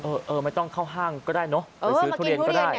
เออเออไม่ต้องเข้าห้างก็ได้เนอะเออมากินทุเรียนเนี่ย